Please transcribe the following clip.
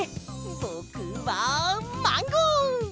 ぼくはマンゴー！